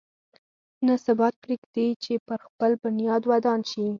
نه ثبات پرېږدي چې پر خپل بنیاد ودان شي.